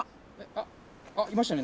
ほらいましたね。